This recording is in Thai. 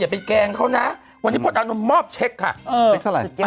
อย่าไปแกล้งเขานะวันนี้พ่อตานนท์จะมอบเช็กค่ะเสียสิบเกี่ยว